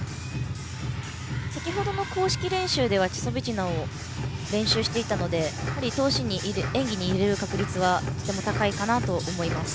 先程の公式練習ではチュソビチナを練習していたのでやはり演技に入れる確率はとても高いかなと思います。